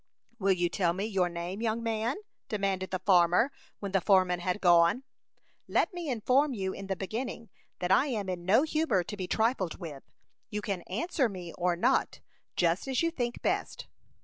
"Will you tell me your name, young man?" demanded the farmer, when the foreman had gone. "Let me inform you in the beginning, that I am in no humor to be trifled with. You can answer me or not, just as you think best."